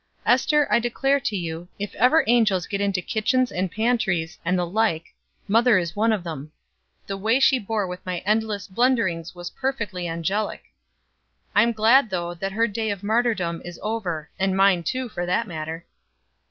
Ester, I declare to you, if ever angels get into kitchens and pantries, and the like, mother is one of them. The way she bore with my endless blunderings was perfectly angelic. I'm glad, though, that her day of martyrdom is over, and mine, too, for that matter."